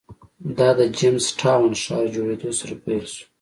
دا د جېمز ټاون ښار جوړېدو سره پیل شو.